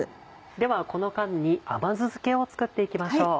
ではこの間に甘酢漬けを作っていきましょう。